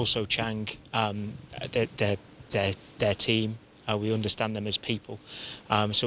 และว่าชังเป็นทีมเราต้องรู้สึกว่าเขาเป็นคนสำคัญ